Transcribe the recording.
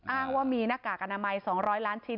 อ้างว่ามีหน้ากากอนามัย๒๐๐ล้านชิ้น